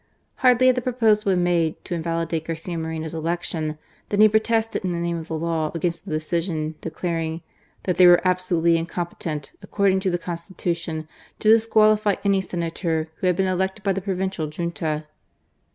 Hardly had the proposal been made (to invalidate Garcia Moreno's election), than he protested in the name of the law against the decision, declaring " that they were absolutely in competent, according to the Constitution, to dis qualify any Senator who had been elected by the provincial Junta."